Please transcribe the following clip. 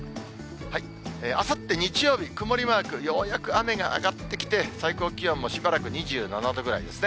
あさって日曜日、曇りマーク、ようやく雨が上がってきて、最高気温もしばらく２７度くらいですね。